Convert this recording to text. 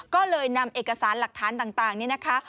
ก็เลยนำเอกสารหลักฐานต่างนี่นะคะ